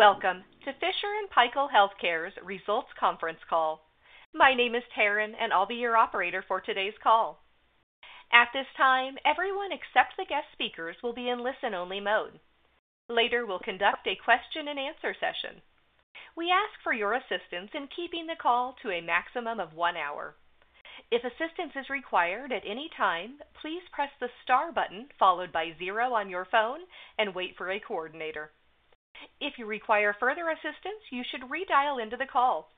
Welcome to Fisher & Paykel Healthcare's results conference call. My name is Taryn, and I'll be your operator for today's call. At this time, everyone except the guest speakers will be in listen-only mode. Later, we'll conduct a question-and-answer session. We ask for your assistance in keeping the call to a maximum of one hour. If assistance is required at any time, please press the star button followed by zero on your phone and wait for a coordinator. If you require further assistance, you should redial into the call.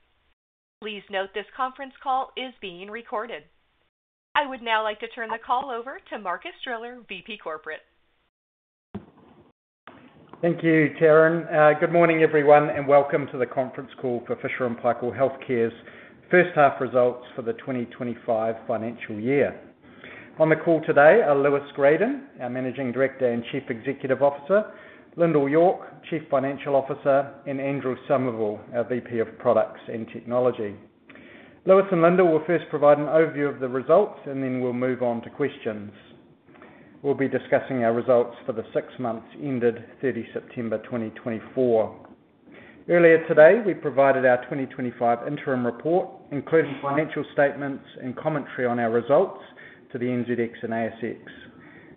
Please note this conference call is being recorded. I would now like to turn the call over to Marcus Driller, VP Corporate. Thank you, Taryn. Good morning, everyone, and Welcome to the Conference Call for Fisher & Paykel Healthcare's First-Half Results for the 2025 Financial Year. On the call today are Lewis Gradon, our Managing Director and Chief Executive Officer; Lyndal York, Chief Financial Officer; and Andrew Somerville, our VP of Products and Technology. Lewis and Lyndal will first provide an overview of the results, and then we'll move on to questions. We'll be discussing our results for the six months ended 30 September 2024. Earlier today, we provided our 2025 interim report, including financial statements and commentary on our results to the NZX and ASX.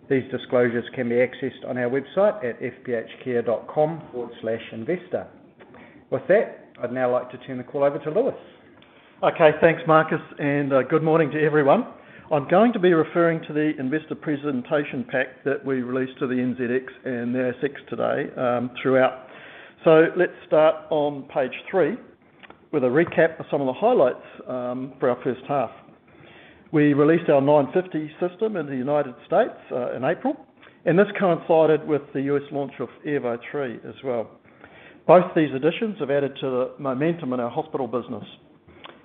These disclosures can be accessed on our website at fphcare.com/investor. With that, I'd now like to turn the call over to Lewis. Okay, thanks, Marcus, and good morning to everyone. I'm going to be referring to the investor presentation pack that we released to the NZX and the ASX today, throughout. So let's start on page three with a recap of some of the highlights for our first half. We released our 950 system in the United States in April, and this coincided with the U.S. launch of Airvo 3 as well. Both these additions have added to the momentum in our hospital business,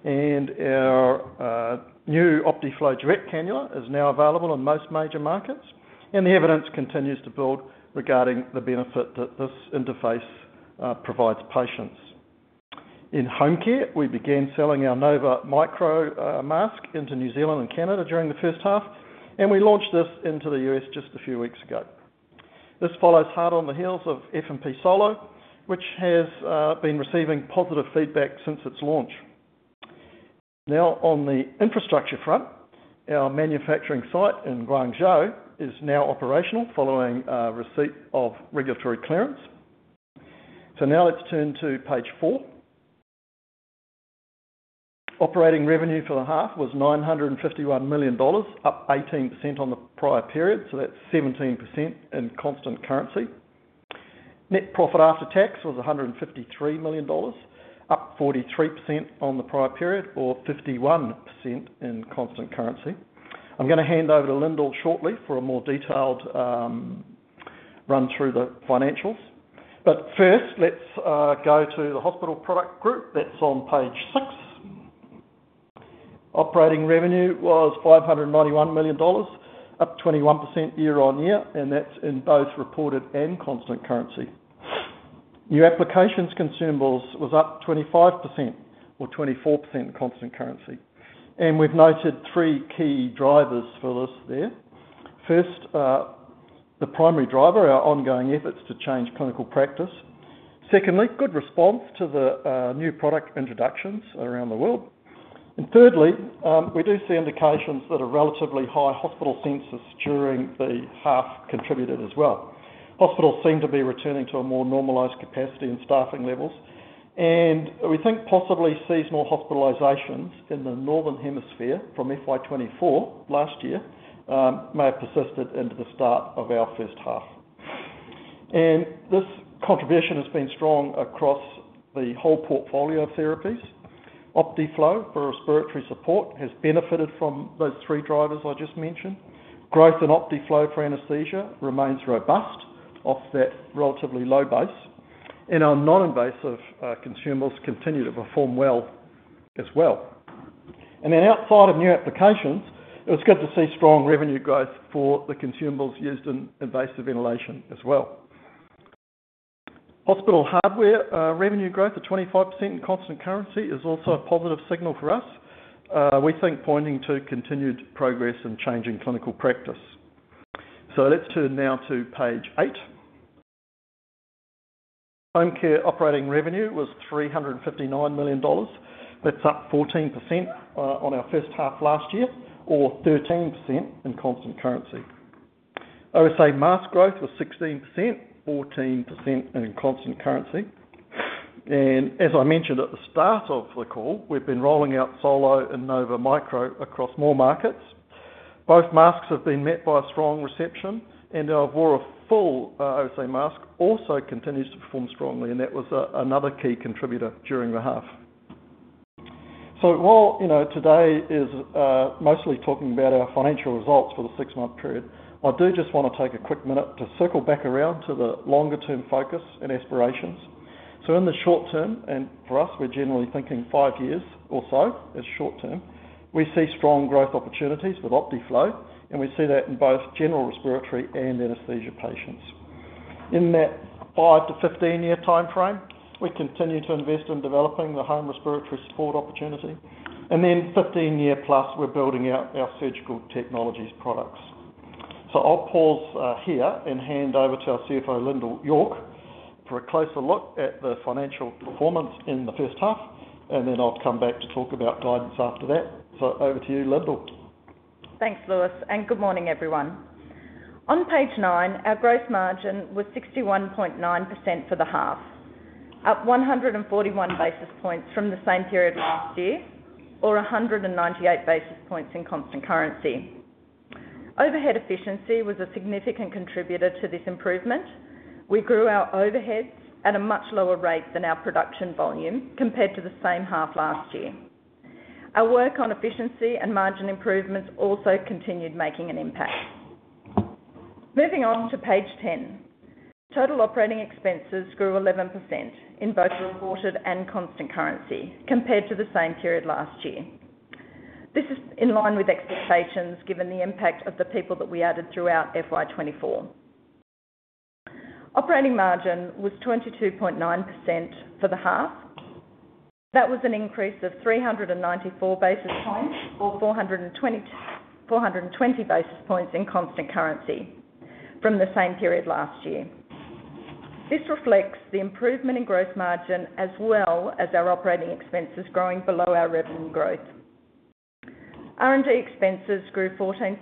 and our new Optiflow Duet cannula is now available in most major markets, and the evidence continues to build regarding the benefit that this interface provides patients. In home care, we began selling our Nova Micro mask into New Zealand and Canada during the first half, and we launched this into the U.S. just a few weeks ago. This follows hard on the heels of F&P Solo, which has been receiving positive feedback since its launch. Now, on the infrastructure front, our manufacturing site in Guangzhou is now operational following a receipt of regulatory clearance. Now let's turn to page four. Operating revenue for the half was 951 million dollars, up 18% on the prior period, so that's 17% in constant currency. Net profit after tax was 153 million dollars, up 43% on the prior period, or 51% in constant currency. I'm going to hand over to Lyndal shortly for a more detailed run-through of the financials. But first, let's go to the hospital product group that's on page six. Operating revenue was 591 million dollars, up 21% year-on-year, and that's in both reported and constant currency. New applications consumables was up 25%, or 24% in constant currency. And we've noted three key drivers for this there. First, the primary driver, our ongoing efforts to change clinical practice. Secondly, good response to the new product introductions around the world. And thirdly, we do see indications that a relatively high hospital census during the half contributed as well. Hospitals seem to be returning to a more normalized capacity and staffing levels, and we think possibly seasonal hospitalizations in the northern hemisphere from FY24 last year may have persisted into the start of our first half. And this contribution has been strong across the whole portfolio of therapies. Optiflow for respiratory support has benefited from those three drivers I just mentioned. Growth in Optiflow for anesthesia remains robust off that relatively low base, and our non-invasive consumables continue to perform well as well. And then outside of new applications, it was good to see strong revenue growth for the consumables used in invasive ventilation as well. Hospital hardware revenue growth of 25% in constant currency is also a positive signal for us, we think pointing to continued progress in changing clinical practice. So let's turn now to page eight. Home care operating revenue was 359 million dollars. That's up 14% on our first half last year, or 13% in constant currency. OSA mask growth was 16%, 14% in constant currency. And as I mentioned at the start of the call, we've been rolling out Solo and Nova Micro across more markets. Both masks have been met by a strong reception, and our Evora Full Mask OSA also continues to perform strongly, and that was another key contributor during the half. So while today is mostly talking about our financial results for the six-month period, I do just want to take a quick minute to circle back around to the longer-term focus and aspirations. So in the short term, and for us, we're generally thinking five years or so as short term. We see strong growth opportunities with Optiflow, and we see that in both general respiratory and anesthesia patients. In that 5- to 15-year time frame, we continue to invest in developing the home respiratory support opportunity, and then 15-year plus, we're building out our surgical technologies products. I'll pause here and hand over to our CFO, Lyndal York, for a closer look at the financial performance in the first half, and then I'll come back to talk about guidance after that. Over to you, Lyndal. Thanks, Lewis, and good morning, everyone. On page nine, our gross margin was 61.9% for the half, up 141 basis points from the same period last year, or 198 basis points in constant currency. Overhead efficiency was a significant contributor to this improvement. We grew our overheads at a much lower rate than our production volume compared to the same half last year. Our work on efficiency and margin improvements also continued making an impact. Moving on to page ten, total operating expenses grew 11% in both reported and constant currency compared to the same period last year. This is in line with expectations given the impact of the people that we added throughout FY 2024. Operating margin was 22.9% for the half. That was an increase of 394 basis points, or 420 basis points in constant currency from the same period last year. This reflects the improvement in gross margin as well as our operating expenses growing below our revenue growth. R&D expenses grew 14%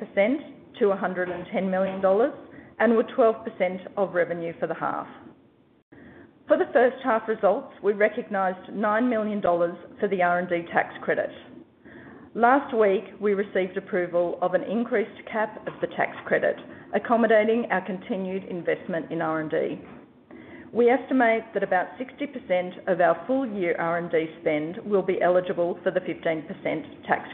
to 110 million dollars and were 12% of revenue for the half. For the first half results, we recognized 9 million dollars for the R&D tax credit. Last week, we received approval of an increased cap of the tax credit, accommodating our continued investment in R&D. We estimate that about 60% of our full-year R&D spend will be eligible for the 15% tax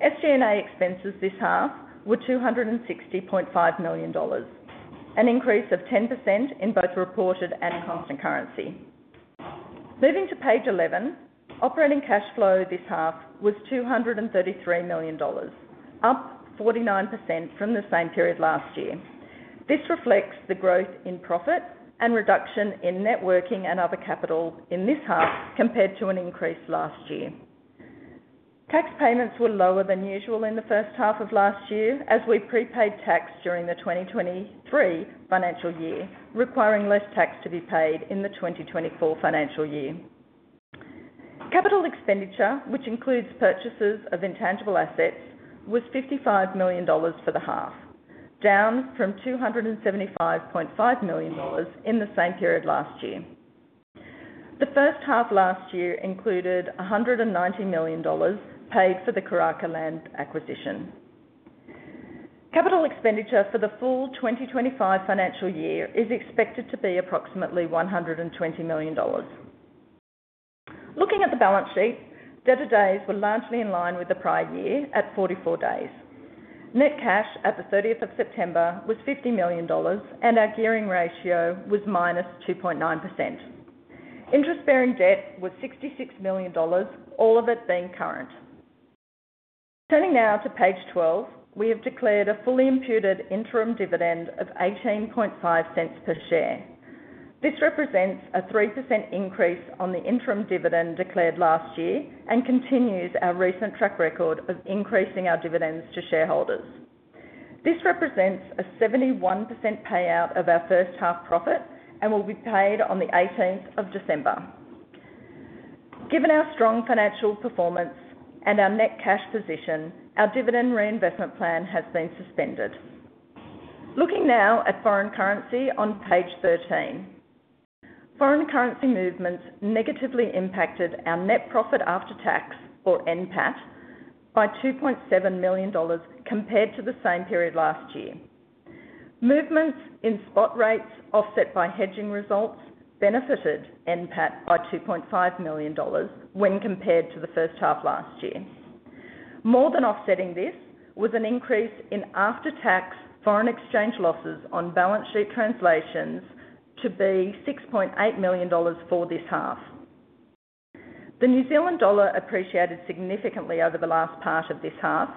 credit. SG&A expenses this half were 260.5 million dollars, an increase of 10% in both reported and constant currency. Moving to page 11, operating cash flow this half was 233 million dollars, up 49% from the same period last year. This reflects the growth in profit and reduction in net working capital and other capital in this half compared to an increase last year. Tax payments were lower than usual in the first half of last year as we prepaid tax during the 2023 financial year, requiring less tax to be paid in the 2024 financial year. Capital expenditure, which includes purchases of intangible assets, was 55 million dollars for the half, down from 275.5 million dollars in the same period last year. The first half last year included 190 million dollars paid for the Karaka land acquisition. Capital expenditure for the full 2025 financial year is expected to be approximately 120 million dollars. Looking at the balance sheet, debtor days were largely in line with the prior year at 44 days. Net cash at the 30th of September was 50 million dollars, and our gearing ratio was minus 2.9%. Interest-bearing debt was 66 million dollars, all of it being current. Turning now to page 12, we have declared a fully imputed interim dividend of 0.185 per share. This represents a 3% increase on the interim dividend declared last year and continues our recent track record of increasing our dividends to shareholders. This represents a 71% payout of our first half profit and will be paid on the 18th of December. Given our strong financial performance and our net cash position, our dividend reinvestment plan has been suspended. Looking now at foreign currency on page 13, foreign currency movements negatively impacted our net profit after tax, or NPAT, by 2.7 million dollars compared to the same period last year. Movements in spot rates offset by hedging results benefited NPAT by 2.5 million dollars when compared to the first half last year. More than offsetting this was an increase in after-tax foreign exchange losses on balance sheet translations to be 6.8 million dollars for this half. The New Zealand dollar appreciated significantly over the last part of this half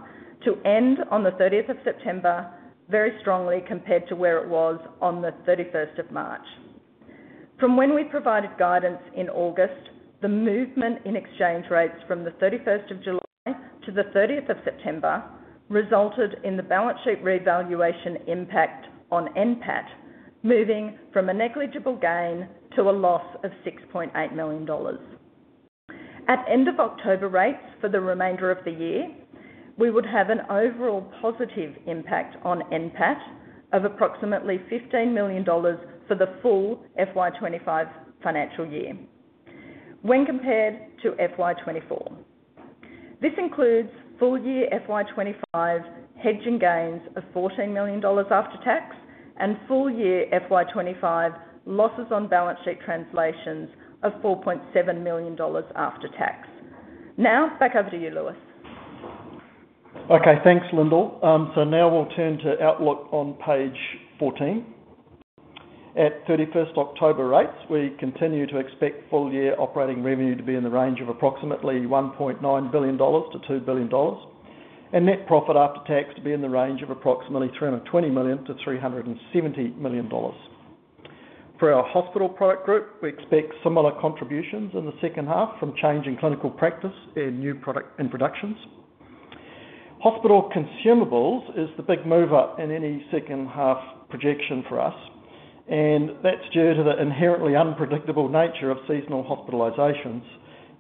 to end on the 30th of September very strongly compared to where it was on the 31st of March. From when we provided guidance in August, the movement in exchange rates from the 31st of July to the 30th of September resulted in the balance sheet revaluation impact on NPAT moving from a negligible gain to a loss of $6.8 million. At end-of-October rates for the remainder of the year, we would have an overall positive impact on NPAT of approximately $15 million for the full FY 2025 financial year when compared to FY 2024. This includes full-year FY25 hedging gains of $14 million after tax and full-year FY 2025 losses on balance sheet translations of $4.7 million after tax. Now, back over to you, Lewis. Okay, thanks, Lyndal. So now we'll turn to Outlook on page 14. At 31st October rates, we continue to expect full-year operating revenue to be in the range of approximately 1.9 billion-2 billion dollars, and net profit after tax to be in the range of approximately 320 million-370 million dollars. For our hospital product group, we expect similar contributions in the second half from changing clinical practice and new product introductions. Hospital consumables is the big mover in any second-half projection for us, and that's due to the inherently unpredictable nature of seasonal hospitalizations.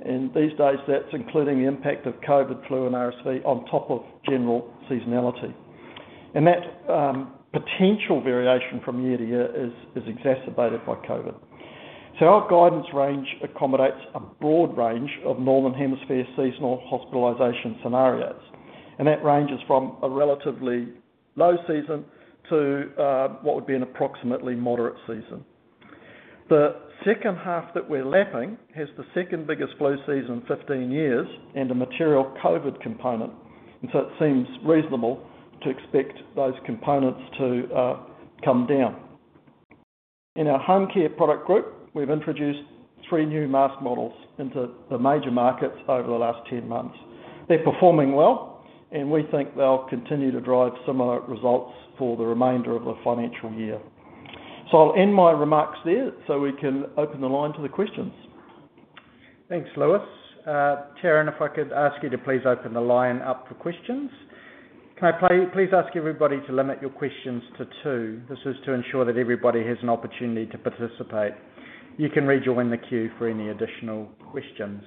And these days, that's including the impact of COVID, flu, and RSV on top of general seasonality. And that potential variation from year to year is exacerbated by COVID. Our guidance range accommodates a broad range of northern hemisphere seasonal hospitalization scenarios, and that ranges from a relatively low season to what would be an approximately moderate season. The second half that we're lapping has the second biggest flu season in 15 years and a material COVID component, and so it seems reasonable to expect those components to come down. In our home care product group, we've introduced three new mask models into the major markets over the last 10 months. They're performing well, and we think they'll continue to drive similar results for the remainder of the financial year. I'll end my remarks there so we can open the line to the questions. Thanks, Lewis. Taryn, if I could ask you to please open the line up for questions. Can I please ask everybody to limit your questions to two? This is to ensure that everybody has an opportunity to participate. You can rejoin the queue for any additional questions.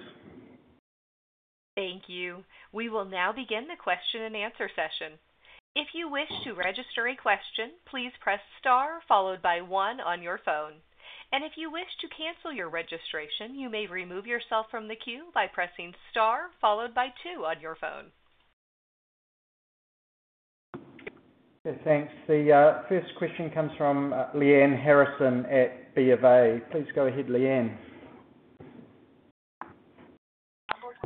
Thank you. We will now begin the question-and-answer session. If you wish to register a question, please press star followed by one on your phone. And if you wish to cancel your registration, you may remove yourself from the queue by pressing star followed by two on your phone. Thanks. The first question comes from Lyanne Harrison at B of A. Please go ahead, Leanne.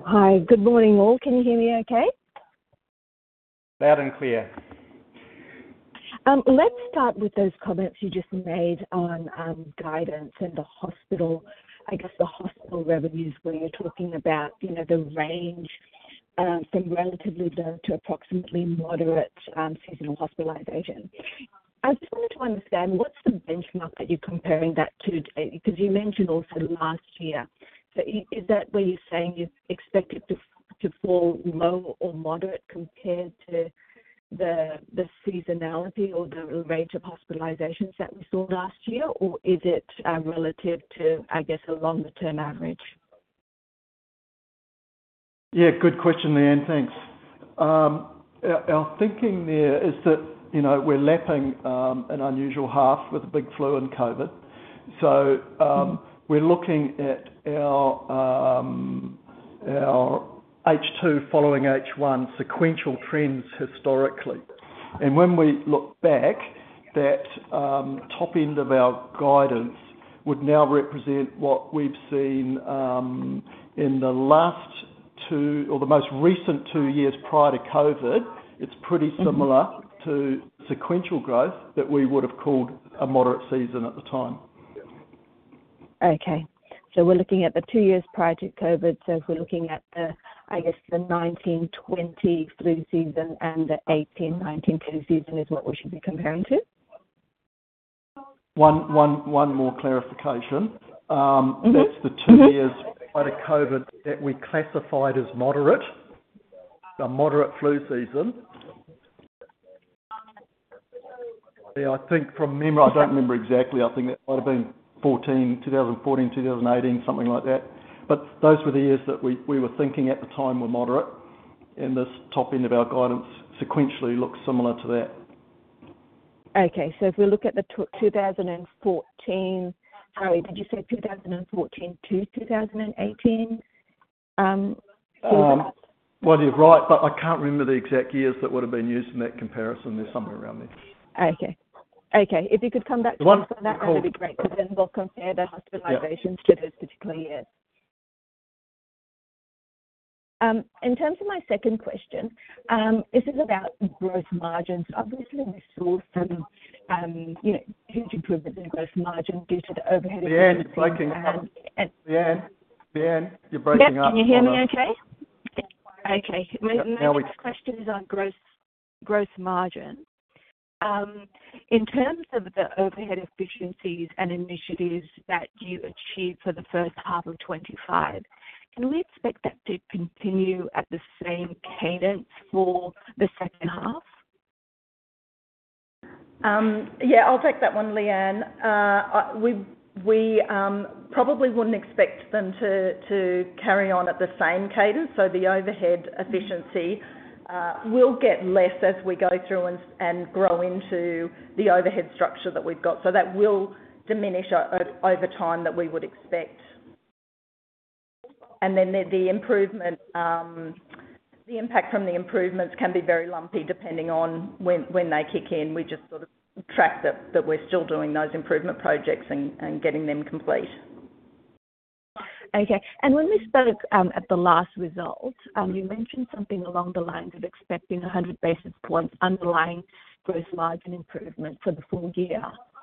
Hi, good morning, all. Can you hear me okay? Loud and clear. Let's start with those comments you just made on guidance and the hospital, I guess the hospital revenues, where you're talking about the range from relatively low to approximately moderate seasonal hospitalization. I just wanted to understand what's the benchmark that you're comparing that to? Because you mentioned also last year. Is that where you're saying you expect it to fall low or moderate compared to the seasonality or the range of hospitalizations that we saw last year, or is it relative to, I guess, a longer-term average? Yeah, good question, Lyanne. Thanks. Our thinking there is that we're lapping an unusual half with a big flu and COVID. So we're looking at our H2 following H1 sequential trends historically. And when we look back, that top end of our guidance would now represent what we've seen in the last two or the most recent two years prior to COVID. It's pretty similar to sequential growth that we would have called a moderate season at the time. Okay. So we're looking at the two years prior to COVID. So if we're looking at the, I guess, the 19-20 flu season and the 18-19 flu season is what we should be comparing to? One more clarification. That's the two years prior to COVID that we classified as moderate, a moderate flu season. I think from memory, I don't remember exactly. I think it might have been 2014, 2018, something like that. But those were the years that we were thinking at the time were moderate, and this top end of our guidance sequentially looks similar to that. Okay. So if we look at the 2014, sorry, did you say 2014 to 2018 season? You're right, but I can't remember the exact years that would have been used in that comparison. They're somewhere around there. Okay. Okay. If you could come back to that, that would be great, because then we'll compare the hospitalizations to those particular years. In terms of my second question, this is about gross margins. Obviously, we saw some huge improvements in gross margin due to the overhead efficiencies. Lyanne, you're breaking up. Can you hear me okay? Okay. Now, the next question is on gross margin. In terms of the overhead efficiencies and initiatives that you achieved for the first half of 2025, can we expect that to continue at the same cadence for the second half? Yeah, I'll take that one, Lyanne. We probably wouldn't expect them to carry on at the same cadence. So the overhead efficiency will get less as we go through and grow into the overhead structure that we've got. So that will diminish over time that we would expect. And then the improvement, the impact from the improvements can be very lumpy depending on when they kick in. We just sort of track that we're still doing those improvement projects and getting them complete. Okay. And when we spoke at the last result, you mentioned something along the lines of expecting 100 basis points underlying gross margin improvement for the full year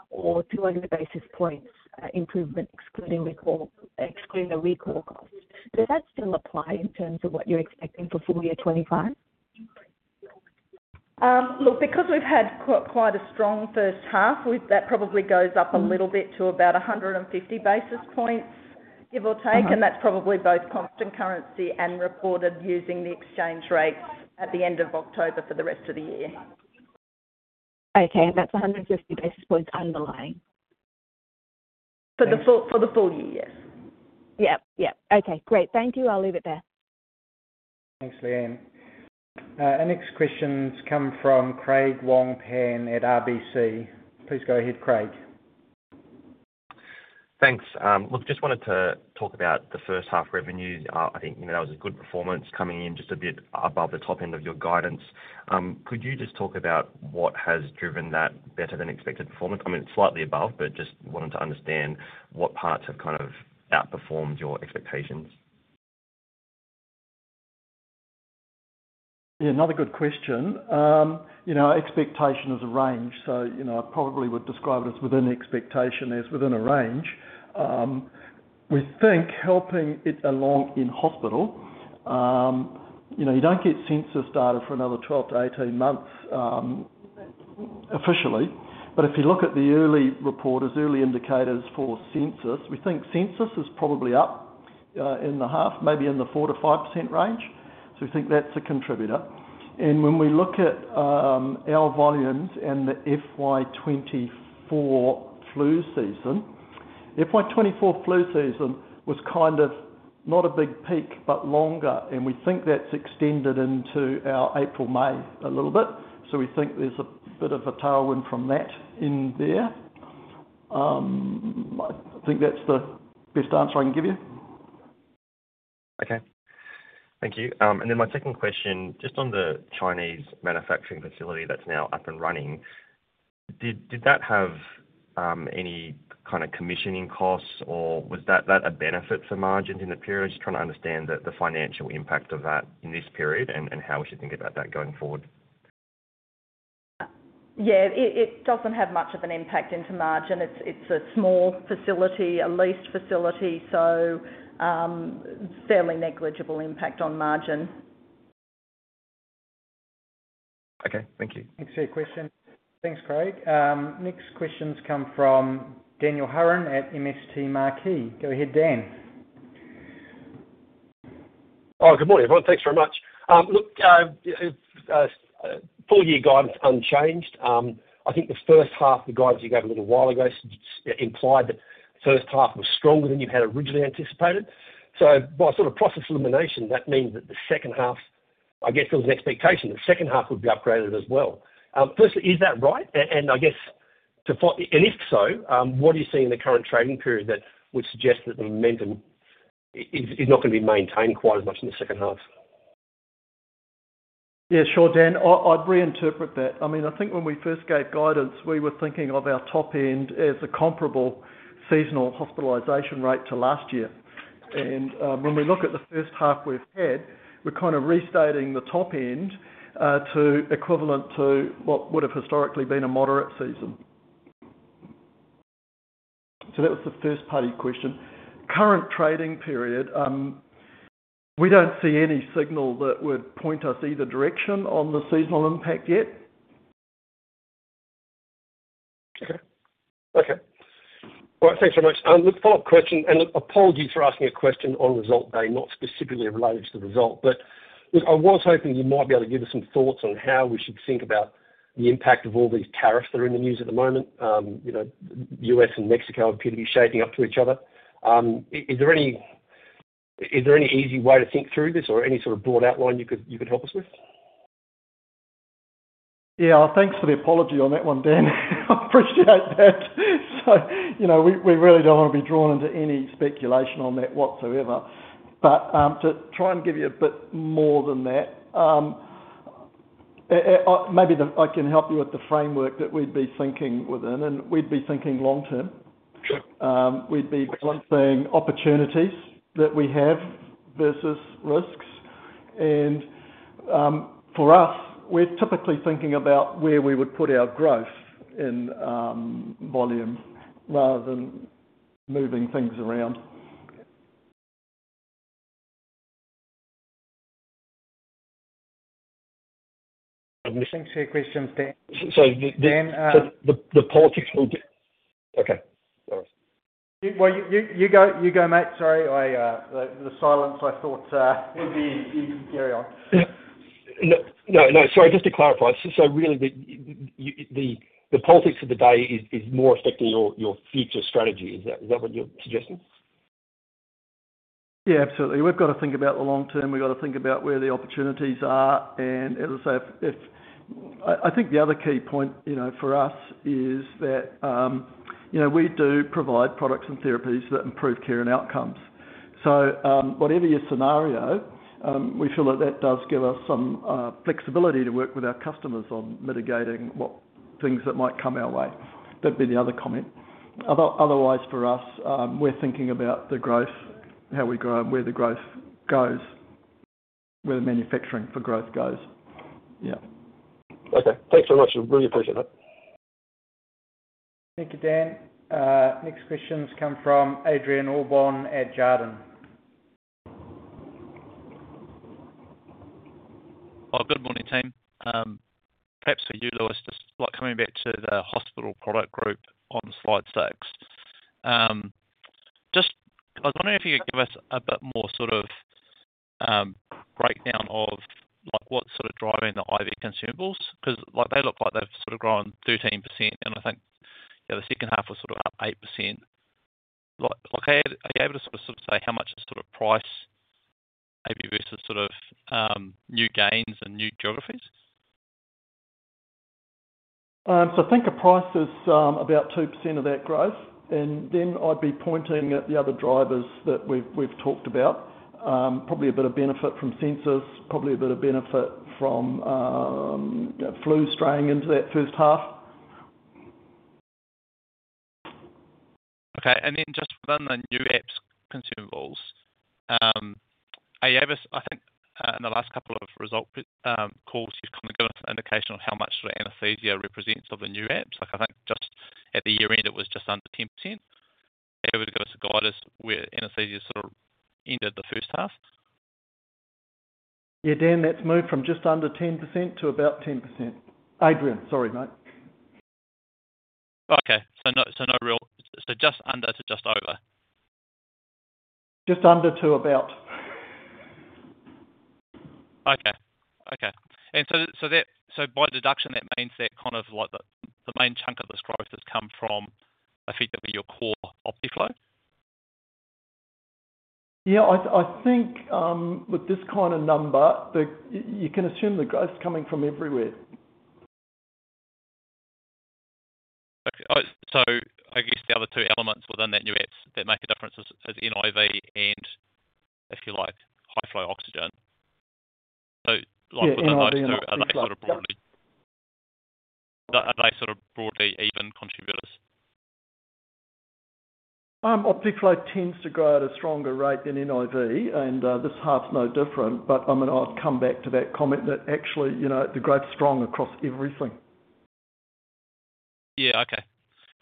or 200 basis points improvement, excluding the recall costs. Does that still apply in terms of what you're expecting for full year 2025? Look, because we've had quite a strong first half, that probably goes up a little bit to about 150 basis points, give or take, and that's probably both constant currency and reported using the exchange rate at the end of October for the rest of the year. Okay, and that's 150 basis points underlying? For the full year, yes. Yeah. Yeah. Okay. Great. Thank you. I'll leave it there. Thanks, Lyanne. Our next questions come from Craig Wong-Pan at RBC. Please go ahead, Craig. Thanks. Look, just wanted to talk about the first half revenues. I think that was a good performance coming in just a bit above the top end of your guidance. Could you just talk about what has driven that better-than-expected performance? I mean, it's slightly above, but just wanted to understand what parts have kind of outperformed your expectations. Yeah, another good question. Expectation is a range, so I probably would describe it as within expectation. It's within a range. We think helping it along in hospital, you don't get census data for another 12 to 18 months officially. But if you look at the early reporters, early indicators for census, we think census is probably up in the half, maybe in the 4%-5% range. So we think that's a contributor. And when we look at our volumes and the FY 2024 flu season, FY24 flu season was kind of not a big peak, but longer. And we think that's extended into our April, May a little bit. So we think there's a bit of a tailwind from that in there. I think that's the best answer I can give you. Okay. Thank you. And then my second question, just on the Chinese manufacturing facility that's now up and running, did that have any kind of commissioning costs, or was that a benefit for margins in the period? Just trying to understand the financial impact of that in this period and how we should think about that going forward. Yeah, it doesn't have much of an impact on margin. It's a small facility, a leased facility, so fairly negligible impact on margin. Okay. Thank you. Thanks for your question. Thanks, Craig. Next questions come from Daniel Hurren at MST Marquee. Go ahead, Dan. Oh, good morning, everyone. Thanks very much. Look, full year guidance is unchanged. I think the first half, the guidance you gave a little while ago implied that the first half was stronger than you had originally anticipated. So by sort of process of elimination, that means that the second half, I guess it was an expectation, the second half would be upgraded as well. Firstly, is that right? And I guess, and if so, what are you seeing in the current trading period that would suggest that the momentum is not going to be maintained quite as much in the second half? Yeah, sure, Dan. I'd reinterpret that. I mean, I think when we first gave guidance, we were thinking of our top end as a comparable seasonal hospitalization rate to last year. And when we look at the first half we've had, we're kind of restating the top end to equivalent to what would have historically been a moderate season. So that was the first part of the question. Current trading period, we don't see any signal that would point us either direction on the seasonal impact yet. Okay. Okay. All right. Thanks very much. Look, follow-up question. And look, I've polled you for asking a question on result day, not specifically related to the result. But look, I was hoping you might be able to give us some thoughts on how we should think about the impact of all these tariffs that are in the news at the moment. The U.S. and Mexico appear to be shaping up to each other. Is there any easy way to think through this or any sort of broad outline you could help us with? Yeah. Thanks for the apology on that one, Dan. I appreciate that. So we really don't want to be drawn into any speculation on that whatsoever. But to try and give you a bit more than that, maybe I can help you with the framework that we'd be thinking within. And we'd be thinking long term. We'd be balancing opportunities that we have versus risks. And for us, we're typically thinking about where we would put our growth in volume rather than moving things around. Thanks for your questions, Dan. So the politics will. Okay. Sorry. Well, you go, mate. Sorry. The silence, I thought. You can carry on. No, no. Sorry. Just to clarify. So really, the politics of the day is more affecting your future strategy. Is that what you're suggesting? Yeah, absolutely. We've got to think about the long term. We've got to think about where the opportunities are. And as I say, I think the other key point for us is that we do provide products and therapies that improve care and outcomes. So whatever your scenario, we feel that that does give us some flexibility to work with our customers on mitigating what things that might come our way. That'd be the other comment. Otherwise, for us, we're thinking about the growth, how we grow, and where the growth goes, where the manufacturing for growth goes. Yeah. Okay. Thanks very much. I really appreciate that. Thank you, Dan. Next questions come from Adrian Allbon at Jarden. Good morning, team. Perhaps for you, Lewis, just coming back to the hospital product group on slide six. Just I was wondering if you could give us a bit more sort of breakdown of what's sort of driving the invasive ventilation consumables? Because they look like they've sort of grown 13%, and I think the second half was sort of up 8%. Are you able to sort of say how much is sort of price maybe versus sort of new gains and new geographies? So I think a price is about 2% of that growth. And then I'd be pointing at the other drivers that we've talked about. Probably a bit of benefit from Census, probably a bit of benefit from flu straying into that first half. Okay. And then just within the new apps consumables, are you able to, I think, in the last couple of result calls, you've kind of given us an indication of how much sort of anesthesia represents of the new apps? I think just at the year-end, it was just under 10%. Are you able to give us a guide as where anesthesia sort of ended the first half? Yeah, Dan, that's moved from just under 10% to about 10%. Adrian, sorry, mate. Okay, so just under to just over? Just under to about. Okay. Okay. And so by deduction, that means that kind of the main chunk of this growth has come from effectively your core Optiflow? Yeah. I think with this kind of number, you can assume the growth's coming from everywhere. Okay. So I guess the other two elements within that new apps that make a difference is NIV and, if you like, high-flow oxygen. So within those two, are they sort of broadly even contributors? Optiflow tends to grow at a stronger rate than NIV, and this half's no different. But I mean, I'll come back to that comment that actually the growth's strong across everything. Yeah. Okay.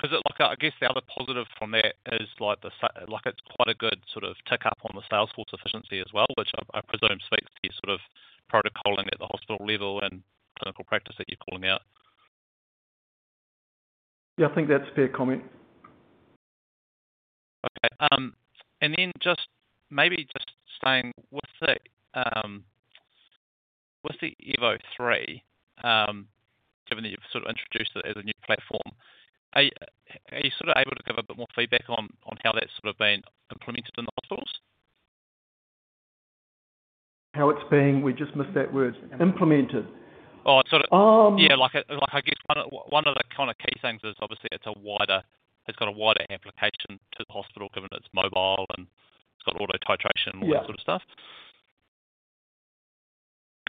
Because I guess the other positive from that is it's quite a good sort of tick up on the sales force efficiency as well, which I presume speaks to sort of protocoling at the hospital level and clinical practice that you're calling out. Yeah, I think that's a fair comment. Okay. And then just maybe saying, with the Airvo 3, given that you've sort of introduced it as a new platform, are you sort of able to give a bit more feedback on how that's sort of been implemented in the hospitals? How it's being? We just missed that word. Implemented. Oh, sort of. Yeah. I guess one of the kind of key things is obviously it's got a wider application to the hospital given it's mobile and it's got auto titration and all that sort of stuff.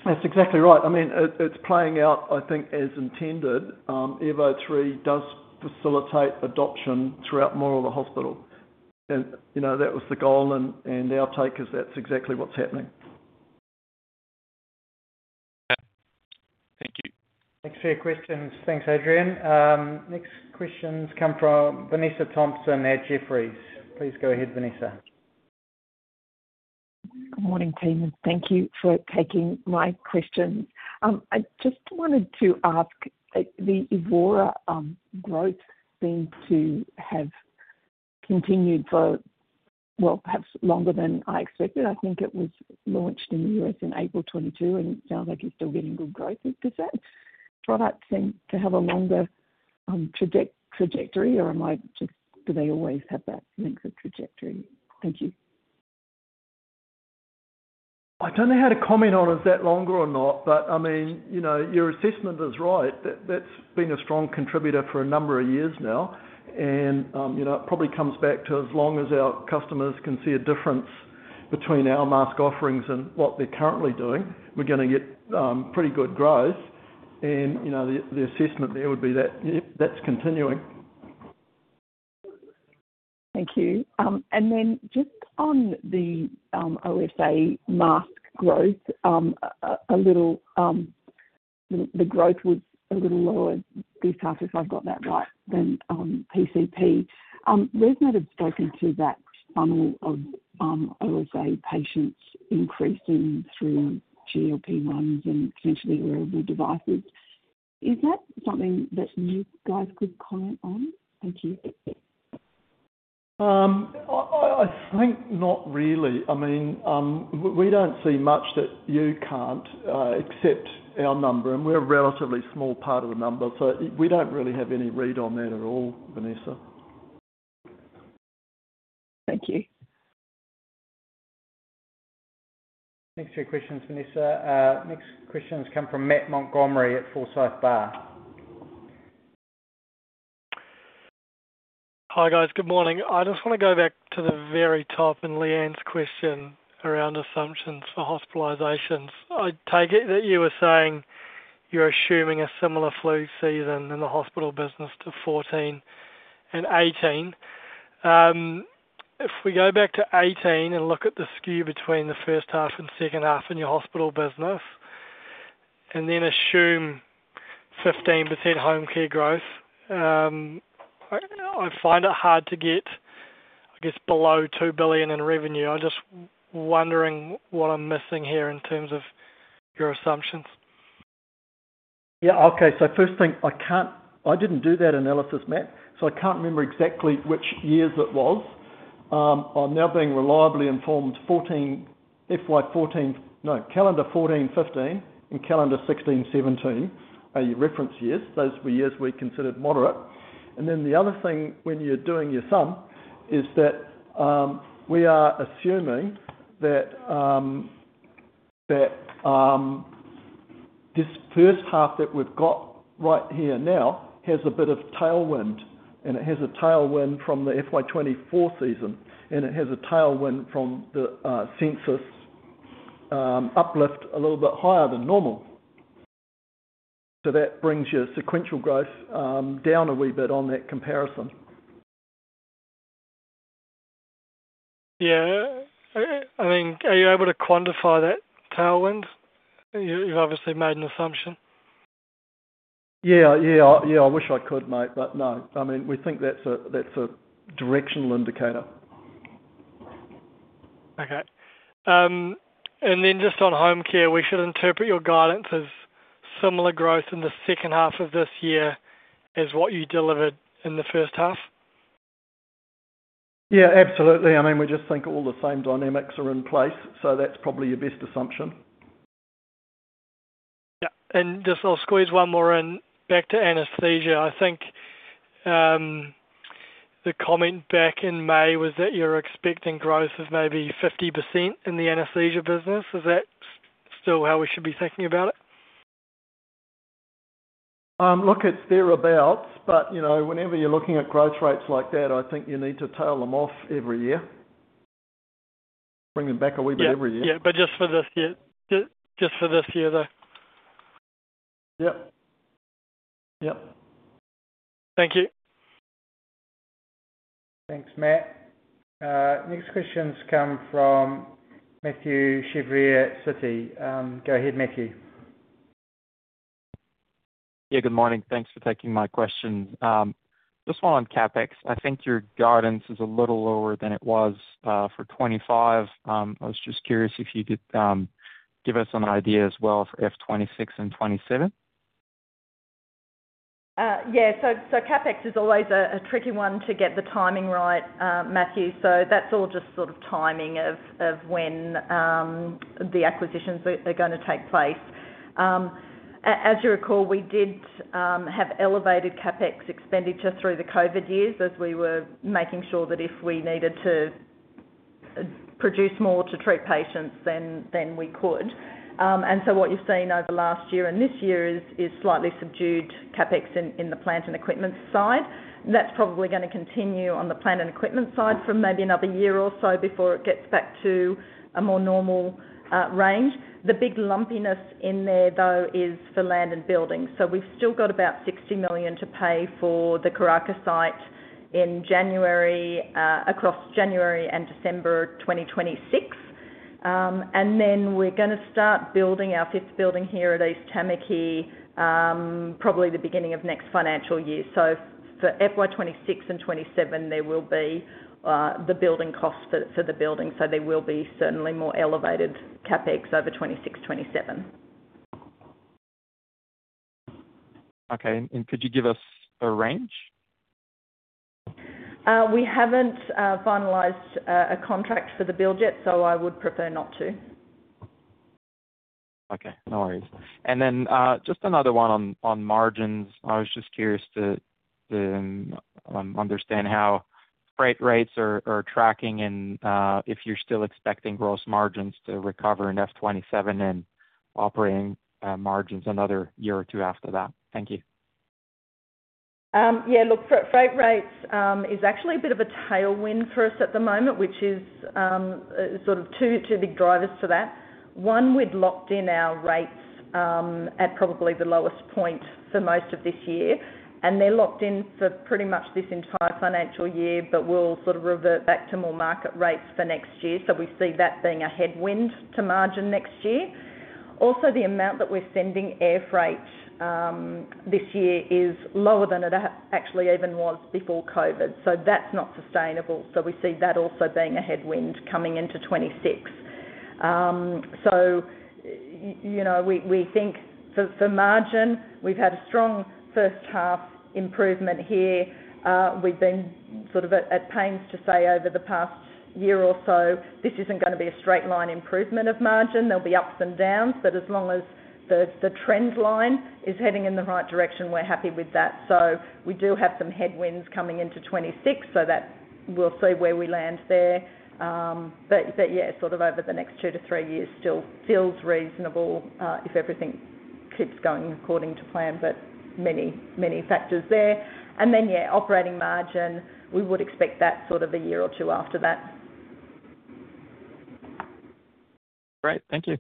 Yeah. That's exactly right. I mean, it's playing out, I think, as intended. Airvo 3 does facilitate adoption throughout more of the hospital. And that was the goal. And our take is that's exactly what's happening. Okay. Thank you. Thanks for your questions. Thanks, Adrian. Next questions come from Vanessa Thomson at Jefferies. Please go ahead, Vanessa. Good morning, team, and thank you for taking my questions. I just wanted to ask, the Evora growth seemed to have continued for, well, perhaps longer than I expected. I think it was launched in the U.S. in April 2022, and it sounds like it's still getting good growth. Is that product seemed to have a longer trajectory, or do they always have that length of trajectory? Thank you. I don't know how to comment on if that's longer or not, but I mean, your assessment is right. That's been a strong contributor for a number of years now. And it probably comes back to as long as our customers can see a difference between our mask offerings and what they're currently doing, we're going to get pretty good growth. And the assessment there would be that that's continuing. Thank you. And then just on the OSA mask growth, the growth was a little lower this half, if I've got that right, than PCP. ResMed had spoken to that funnel of OSA patients increasing through GLP-1s and potentially wearable devices. Is that something that you guys could comment on? Thank you. I think not really. I mean, we don't see much that you can't accept our number, and we're a relatively small part of the number, so we don't really have any read on that at all, Vanessa. Thank you. Thanks for your questions, Vanessa. Next questions come from Matt Montgomerie at Forsyth Barr. Hi guys. Good morning. I just want to go back to the very top in Leanne's question around assumptions for hospitalizations. I take it that you were saying you're assuming a similar flu season in the hospital business to 2014 and 2018. If we go back to 2018 and look at the skew between the first half and second half in your hospital business, and then assume 15% home care growth, I find it hard to get, I guess, below 2 billion in revenue. I'm just wondering what I'm missing here in terms of your assumptions. Yeah. Okay. So first thing, I didn't do that analysis, Matt. So I can't remember exactly which years it was. I'm now being reliably informed 2014, FY 2014, no, calendar 2014, 2015, and calendar 2016, 2017 are your reference years. Those were years we considered moderate. And then the other thing when you're doing your sum is that we are assuming that this first half that we've got right here now has a bit of tailwind. And it has a tailwind from the FY 2024 season. And it has a tailwind from the census uplift a little bit higher than normal. So that brings your sequential growth down a wee bit on that comparison. Yeah. I mean, are you able to quantify that tailwind? You've obviously made an assumption. Yeah. I wish I could, mate, but no. I mean, we think that's a directional indicator. Okay. And then just on home care, we should interpret your guidance as similar growth in the second half of this year as what you delivered in the first half? Yeah, absolutely. I mean, we just think all the same dynamics are in place, so that's probably your best assumption. Yeah, and just I'll squeeze one more in. Back to anesthesia. I think the comment back in May was that you're expecting growth of maybe 50% in the anesthesia business. Is that still how we should be thinking about it? Look, it's thereabouts. But whenever you're looking at growth rates like that, I think you need to tail them off every year. Bring them back a wee bit every year. Yeah. Yeah. But just for this year. Just for this year, though. Yep. Yep. Thank you. Thanks, Matt. Next questions come from Mathieu Chevrier at Citi. Go ahead, Matthew. Yeah. Good morning. Thanks for taking my questions. Just one on CapEx. I think your guidance is a little lower than it was for 2025. I was just curious if you could give us an idea as well for 2026 and 2027. Yeah. So CapEx is always a tricky one to get the timing right, Matthew. So that's all just sort of timing of when the acquisitions are going to take place. As you recall, we did have elevated CapEx expenditure through the COVID years as we were making sure that if we needed to produce more to treat patients, then we could. And so what you've seen over the last year and this year is slightly subdued CapEx in the plant and equipment side. That's probably going to continue on the plant and equipment side for maybe another year or so before it gets back to a more normal range. The big lumpiness in there, though, is for land and buildings. So we've still got about 60 million to pay for the Karaka site across January and December 2026. And then we're going to start building our fifth building here at East Tamaki, probably the beginning of next financial year. So for FY 2026 and 2027, there will be the building cost for the building. So there will be certainly more elevated CapEx over 2026, 2027. Okay, and could you give us a range? We haven't finalized a contract for the build yet, so I would prefer not to. Okay. No worries. And then just another one on margins. I was just curious to understand how freight rates are tracking and if you're still expecting gross margins to recover in F27 and operating margins another year or two after that. Thank you. Yeah. Look, freight rates is actually a bit of a tailwind for us at the moment, which is sort of two big drivers for that. One, we'd locked in our rates at probably the lowest point for most of this year, and they're locked in for pretty much this entire financial year, but we'll sort of revert back to more market rates for next year, so we see that being a headwind to margin next year. Also, the amount that we're sending air freight this year is lower than it actually even was before COVID, so that's not sustainable, so we see that also being a headwind coming into 2026, so we think for margin, we've had a strong first half improvement here. We've been sort of at pains to say over the past year or so, this isn't going to be a straight line improvement of margin. There'll be ups and downs, but as long as the trend line is heading in the right direction, we're happy with that, so we do have some headwinds coming into 2026, so we'll see where we land there, but yeah, sort of over the next two to three years, still feels reasonable if everything keeps going according to plan, but many, many factors there, and then, yeah, operating margin, we would expect that sort of a year or two after that. Great. Thank you.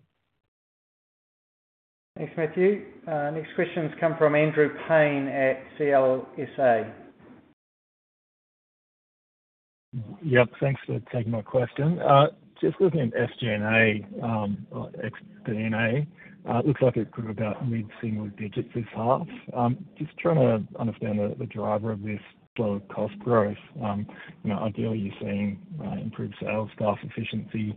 Thanks, Matthew. Next questions come from Andrew Paine at CLSA. Yep. Thanks for taking my question. Just looking at SG&A ex-China, it looks like it's about mid-single digits this half. Just trying to understand the driver of this slow cost growth. Ideally, you're seeing improved sales, cost efficiency,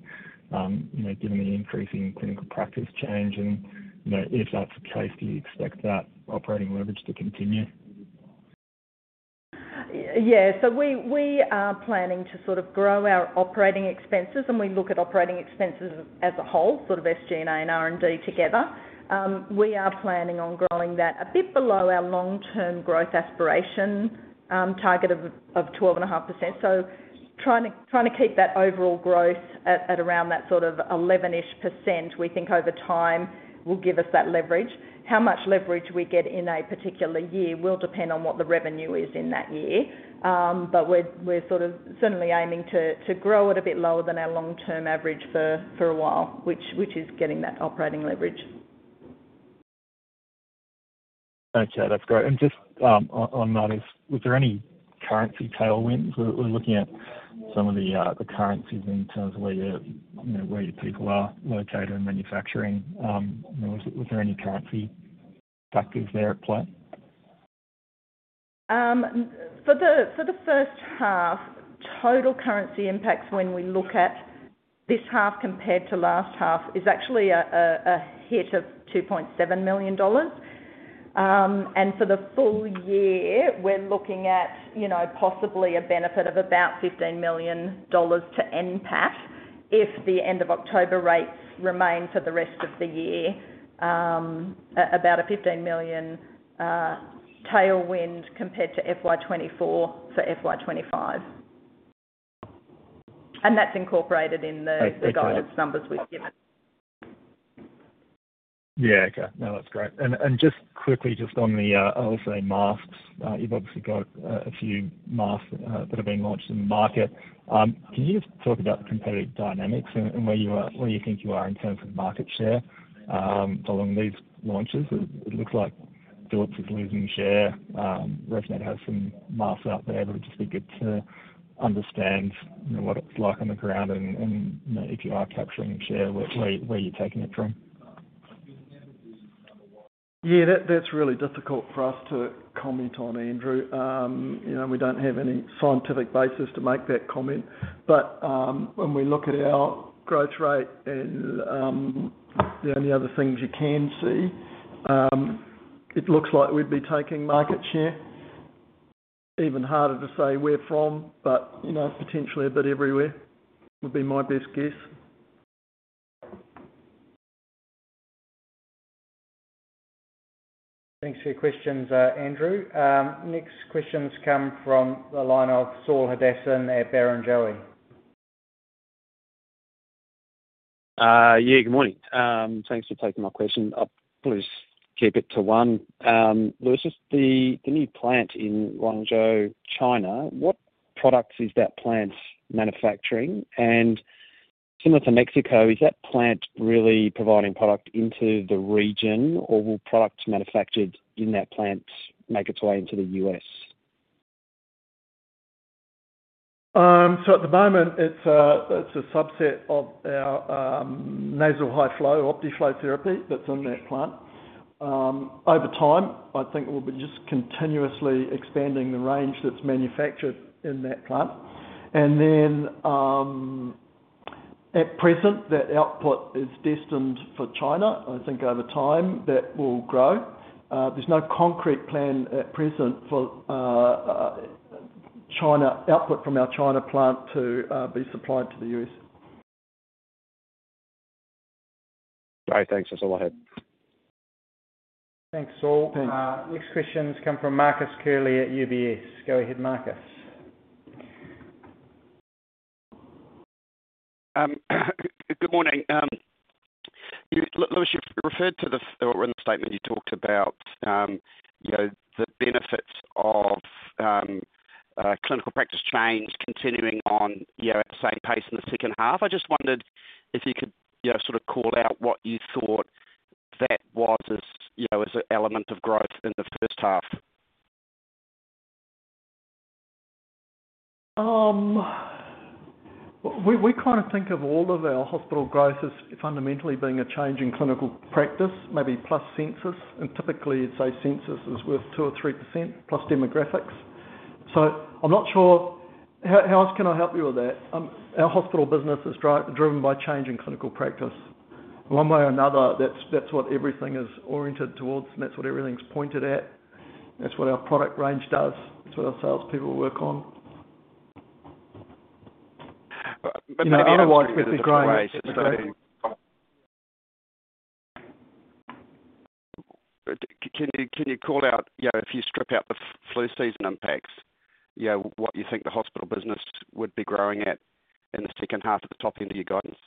given the increase in clinical practice change, and if that's the case, do you expect that operating leverage to continue? Yeah. So we are planning to sort of grow our operating expenses. And we look at operating expenses as a whole, sort of SG&A and R&D together. We are planning on growing that a bit below our long-term growth aspiration target of 12.5%. So trying to keep that overall growth at around that sort of 11-ish%, we think over time will give us that leverage. How much leverage we get in a particular year will depend on what the revenue is in that year. But we're sort of certainly aiming to grow it a bit lower than our long-term average for a while, which is getting that operating leverage. Okay. That's great. And just on that, was there any currency tailwinds? We're looking at some of the currencies in terms of where your people are located in manufacturing. Was there any currency factors there at play? For the first half, total currency impacts when we look at this half compared to last half is actually a hit of 2.7 million dollars. And for the full year, we're looking at possibly a benefit of about 15 million dollars to NPAT if the end-of-October rates remain for the rest of the year, about a 15 million tailwind compared to FY 2024 for FY 2025. And that's incorporated in the guidance numbers we've given. Yeah. Okay. No, that's great. And just quickly, just on the OSA masks, you've obviously got a few masks that have been launched in the market. Can you just talk about the competitive dynamics and where you think you are in terms of market share along these launches? It looks like Philips is losing share. ResMed has some masks out there. Would it just be good to understand what it's like on the ground and if you are capturing share, where you're taking it from? Yeah. That's really difficult for us to comment on, Andrew. We don't have any scientific basis to make that comment. But when we look at our growth rate and the other things you can see, it looks like we'd be taking market share. Even harder to say where from, but potentially a bit everywhere would be my best guess. Thanks for your questions, Andrew. Next questions come from the line of Saul Hadassin at Barrenjoey. Yeah. Good morning. Thanks for taking my question. I'll probably just keep it to one. Lewis, the new plant in Guangzhou, China, what products is that plant manufacturing? And similar to Mexico, is that plant really providing product into the region, or will product manufactured in that plant make its way into the U.S.? So at the moment, it's a subset of our Nasal High-Flow Optiflow Therapy that's in that plant. Over time, I think we'll be just continuously expanding the range that's manufactured in that plant. And then at present, that output is destined for China. I think over time, that will grow. There's no concrete plan at present for output from our China plant to be supplied to the U.S. Great. Thanks. That's all I had. Thanks, Saul. Next questions come from Marcus Curley at UBS. Go ahead, Marcus. Good morning. Lewis, you referred to the statement you talked about the benefits of clinical practice change continuing on at the same pace in the second half. I just wondered if you could sort of call out what you thought that was as an element of growth in the first half? We kind of think of all of our hospital growth as fundamentally being a change in clinical practice, maybe plus census, and typically you'd say census is worth 2 or 3% plus demographics, so I'm not sure how else can I help you with that. Our hospital business is driven by change in clinical practice. One way or another, that's what everything is oriented towards, and that's what everything's pointed at. That's what our product range does. That's what our salespeople work on. But otherwise, we'd be growing. Can you call out, if you strip out the flu season impacts, what you think the hospital business would be growing at in the second half at the top end of your guidance?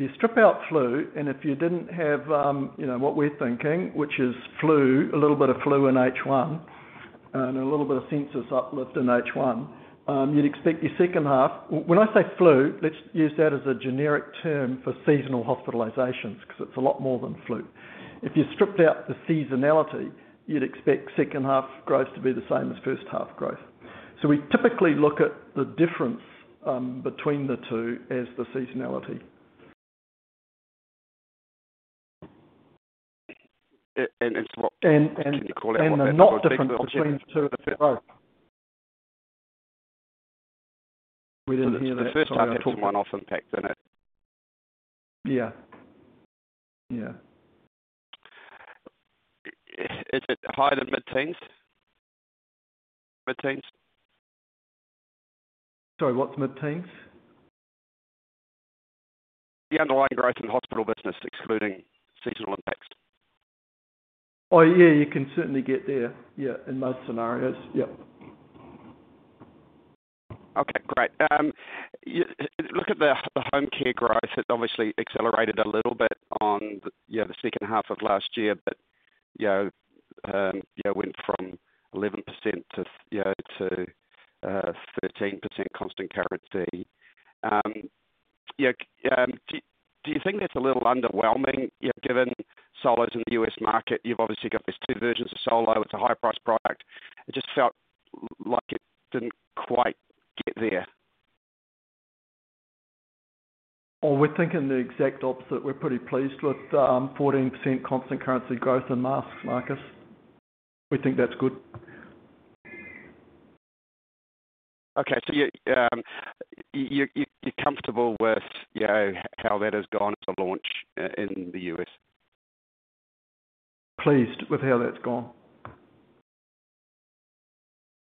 If you strip out flu and if you didn't have what we're thinking, which is flu, a little bit of flu in H1, and a little bit of census uplift in H1, you'd expect your second half. When I say flu, let's use that as a generic term for seasonal hospitalizations because it's a lot more than flu. If you stripped out the seasonality, you'd expect second half growth to be the same as first half growth. So we typically look at the difference between the two as the seasonality. Can you call out what the difference is between the two at the top? We didn't hear the first half of the first half of the off-impact in it. Yeah. Yeah. Is it high to mid-teens? Mid-teens? Sorry, what's mid-teens? The underlying growth in hospital business, excluding seasonal impacts. Oh, yeah. You can certainly get there, yeah, in most scenarios. Yep. Okay. Great. Look at the home care growth. It's obviously accelerated a little bit on the second half of last year, but went from 11%-13% constant currency. Do you think that's a little underwhelming given Solo is in the US market? You've obviously got these two versions of Solo. It's a high-priced product. It just felt like it didn't quite get there. Oh, we're thinking the exact opposite. We're pretty pleased with 14% constant currency growth in masks, Marcus. We think that's good. Okay. So you're comfortable with how that has gone as a launch in the U.S.? Pleased with how that's gone.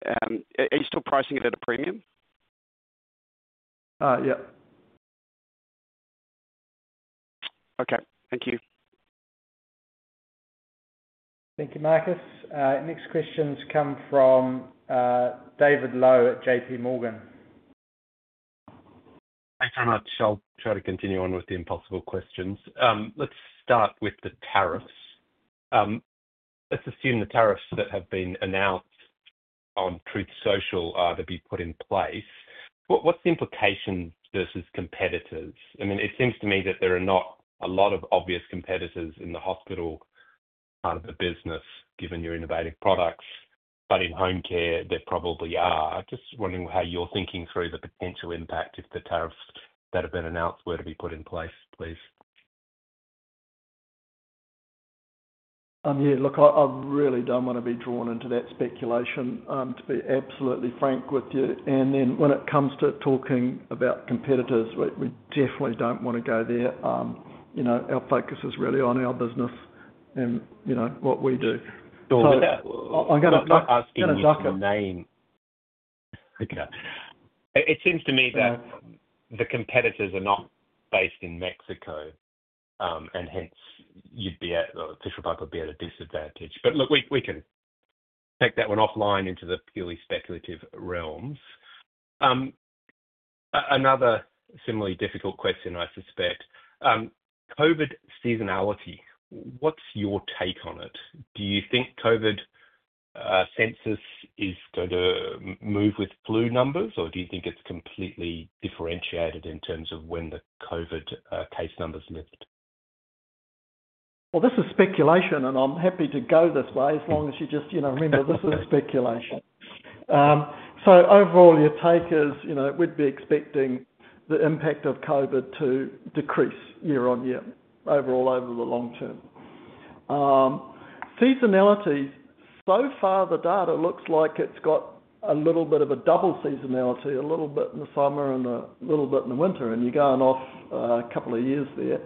Are you still pricing it at a premium? Yep. Okay. Thank you. Thank you, Marcus. Next questions come from David Lowe at JPMorgan. Thanks very much. I'll try to continue on with the impossible questions. Let's start with the tariffs. Let's assume the tariffs that have been announced on Truth Social are to be put in place. What's the implication versus competitors? I mean, it seems to me that there are not a lot of obvious competitors in the hospital part of the business, given your innovative products. But in home care, there probably are. Just wondering how you're thinking through the potential impact if the tariffs that have been announced were to be put in place, please. Yeah. Look, I really don't want to be drawn into that speculation, to be absolutely frank with you. And then when it comes to talking about competitors, we definitely don't want to go there. Our focus is really on our business and what we do. I'm going to ask you to name, okay. It seems to me that the competitors are not based in Mexico, and hence, you'd be at a disadvantage. But look, we can take that one offline into the purely speculative realms. Another similarly difficult question, I suspect. COVID seasonality, what's your take on it? Do you think COVID census is going to move with flu numbers, or do you think it's completely differentiated in terms of when the COVID case numbers lift? Well, this is speculation, and I'm happy to go this way as long as you just remember this is speculation. So overall, your take is we'd be expecting the impact of COVID to decrease year on year, overall, over the long term. Seasonality, so far, the data looks like it's got a little bit of a double seasonality, a little bit in the summer and a little bit in the winter. And you're going off a couple of years there,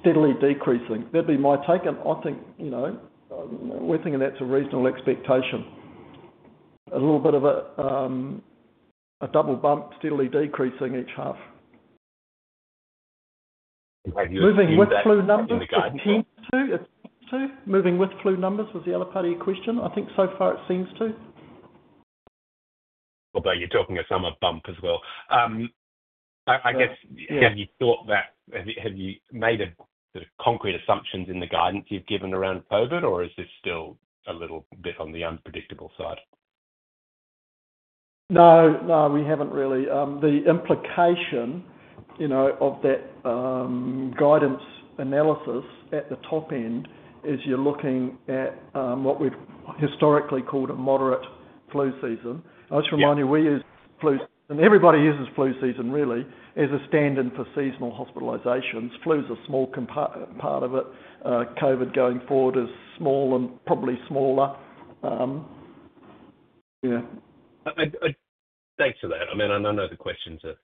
steadily decreasing. That'd be my take. And I think we're thinking that's a reasonable expectation. A little bit of a double bump, steadily decreasing each half. Moving with flu numbers, it seems to. Moving with flu numbers was the other part of your question. I think so far it seems to. Although you're talking a summer bump as well. I guess, have you made concrete assumptions in the guidance you've given around COVID, or is this still a little bit on the unpredictable side? No. No, we haven't really. The implication of that guidance analysis at the top end is you're looking at what we've historically called a moderate flu season. I just remind you, we use flu season. Everybody uses flu season really as a stand-in for seasonal hospitalizations. Flu is a small part of it. COVID going forward is small and probably smaller. Yeah. Thanks for that. I mean, I know the questions are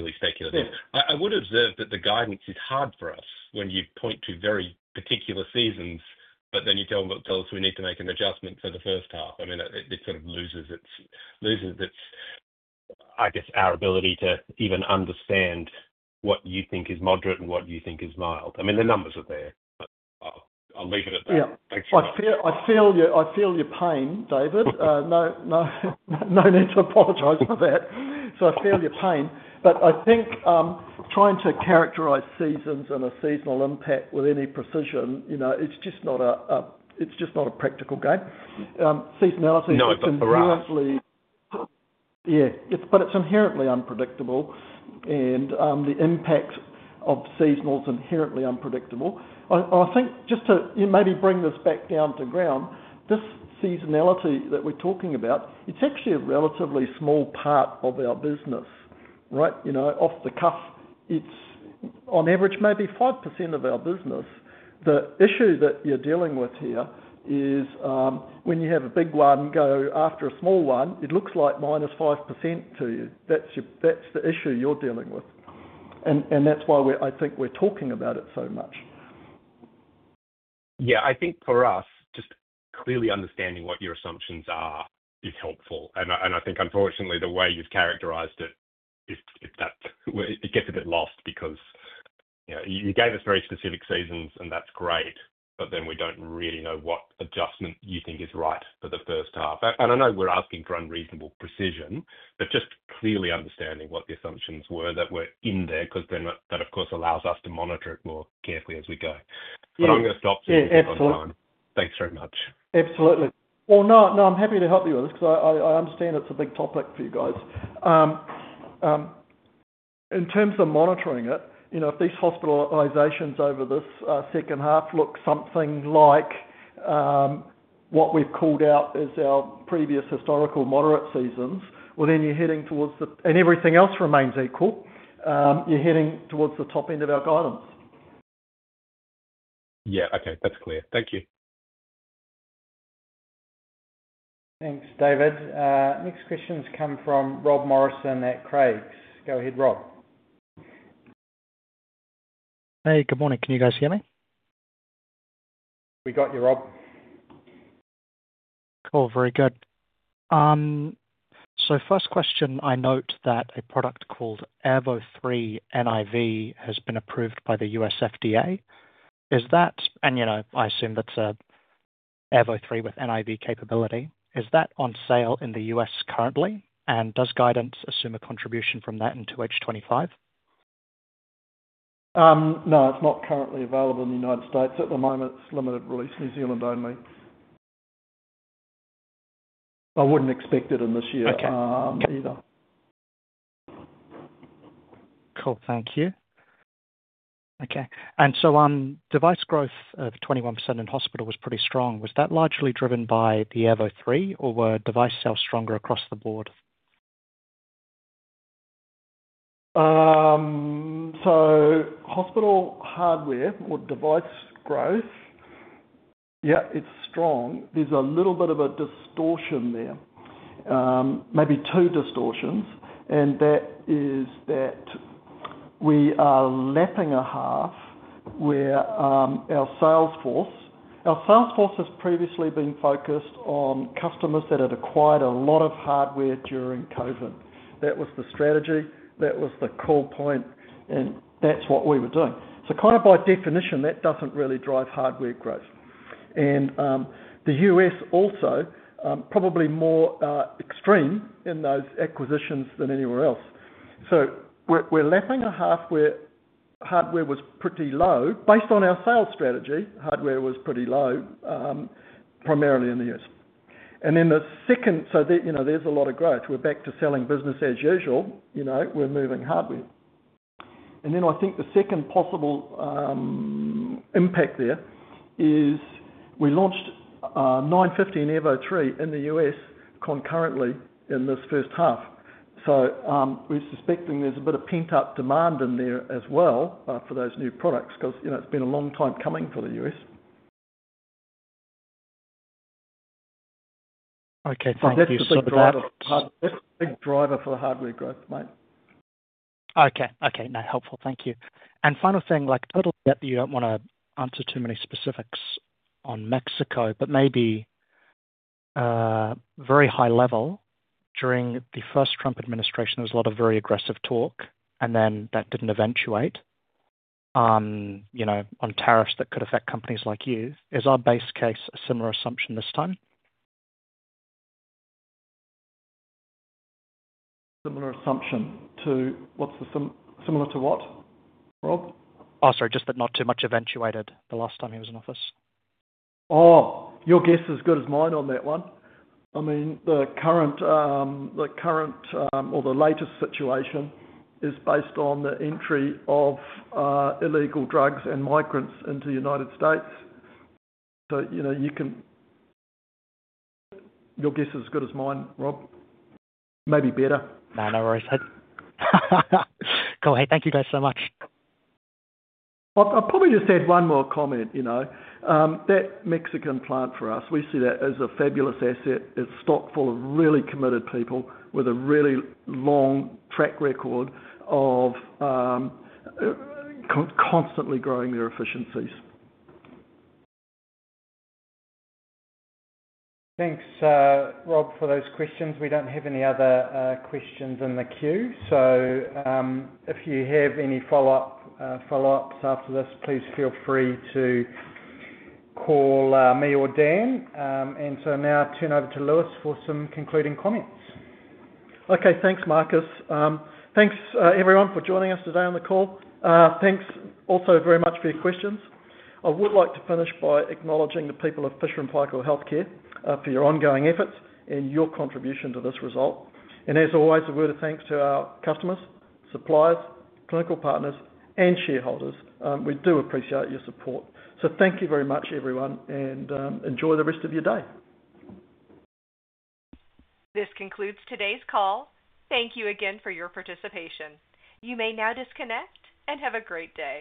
purely speculative. I would observe that the guidance is hard for us when you point to very particular seasons, but then you tell us we need to make an adjustment for the first half. I mean, it sort of loses its, I guess, our ability to even understand what you think is moderate and what you think is mild. I mean, the numbers are there. I'll leave it at that. Yeah. I feel your pain, David. No need to apologize for that. So I feel your pain. But I think trying to characterize seasons and a seasonal impact with any precision, it's just not a practical game. Seasonality is inherently. No, but for us. Yeah. But it's inherently unpredictable, and the impact of seasonals is inherently unpredictable. I think just to maybe bring this back down to ground, this seasonality that we're talking about, it's actually a relatively small part of our business, right? Off the cuff, it's on average maybe 5% of our business. The issue that you're dealing with here is when you have a big one go after a small one, it looks like minus 5% to you. That's the issue you're dealing with. And that's why I think we're talking about it so much. Yeah. I think for us, just clearly understanding what your assumptions are is helpful. And I think, unfortunately, the way you've characterized it, it gets a bit lost because you gave us very specific scenarios, and that's great, but then we don't really know what adjustment you think is right for the first half. And I know we're asking for unreasonable precision, but just clearly understanding what the assumptions were that were in there because that, of course, allows us to monitor it more carefully as we go. But I'm going to stop. Yeah. Absolutely. This at this time. Thanks very much. Absolutely. Well, no, no, I'm happy to help you with this because I understand it's a big topic for you guys. In terms of monitoring it, if these hospitalizations over this second half look something like what we've called out as our previous historical moderate seasons, well, then you're heading towards the top end and everything else remains equal. You're heading towards the top end of our guidance. Yeah. Okay. That's clear. Thank you. Thanks, David. Next questions come from Rob Morrison at Craigs. Go ahead, Rob. Hey, good morning. Can you guys hear me? We got you, Rob. Cool. Very good. So first question, I note that a product called Airvo 3 NIV has been approved by the U.S. FDA. And I assume that's Airvo 3 with NIV capability. Is that on sale in the U.S. currently, and does guidance assume a contribution from that into H25? No, it's not currently available in the United States at the moment. It's limited release, New Zealand only. I wouldn't expect it in this year either. Cool. Thank you. Okay, and so device growth of 21% in hospital was pretty strong. Was that largely driven by the Airvo 3, or were device sales stronger across the board? So hospital hardware or device growth, yeah, it's strong. There's a little bit of a distortion there, maybe two distortions, and that is that we are lapping a half where our sales force has previously been focused on customers that had acquired a lot of hardware during COVID. That was the strategy. That was the call point, and that's what we were doing. So kind of by definition, that doesn't really drive hardware growth. And the U.S. also probably more extreme in those acquisitions than anywhere else. So we're lapping a half where hardware was pretty low. Based on our sales strategy, hardware was pretty low, primarily in the U.S. And then the second, so there's a lot of growth. We're back to selling business as usual. We're moving hardware. And then I think the second possible impact there is we launched 950 and Airvo 3 in the U.S. concurrently in this first half. So we're suspecting there's a bit of pent-up demand in there as well for those new products because it's been a long time coming for the U.S. Okay. Thank you for that. That's a big driver for the hardware growth, mate. Okay. That's helpful. Thank you. And final thing, a little bit that you don't want to answer too many specifics on Mexico, but maybe very high level, during the first Trump administration, there was a lot of very aggressive talk, and then that didn't eventuate on tariffs that could affect companies like you. Is our base case a similar assumption this time? Similar assumption to what, Rob? Oh, sorry. Just that not too much eventuated the last time he was in office. Oh, your guess is as good as mine on that one. I mean, the current or the latest situation is based on the entry of illegal drugs and migrants into the United States. So your guess is as good as mine, Rob. Maybe better. No, no worries. Cool. Hey, thank you guys so much. I probably just had one more comment. That Mexican plant for us, we see that as a fabulous asset. It's stocked full of really committed people with a really long track record of constantly growing their efficiencies. Thanks, Rob, for those questions. We don't have any other questions in the queue. So if you have any follow-ups after this, please feel free to call me or Dan. And so now turn over to Lewis for some concluding comments. Okay. Thanks, Marcus. Thanks, everyone, for joining us today on the call. Thanks also very much for your questions. I would like to finish by acknowledging the people of Fisher & Paykel Healthcare for your ongoing efforts and your contribution to this result. And as always, a word of thanks to our customers, suppliers, clinical partners, and shareholders. We do appreciate your support. So thank you very much, everyone, and enjoy the rest of your day. This concludes today's call. Thank you again for your participation. You may now disconnect and have a great day.